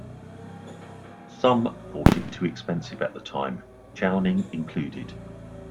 Some thought it too expensive at the time, Chowning included.